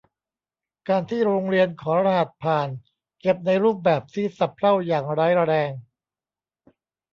การที่โรงเรียนขอรหัสผ่าน เก็บในรูปแบบที่สะเพร่าอย่างร้ายแรง